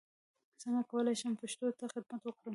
څنګه کولای شم پښتو ته خدمت وکړم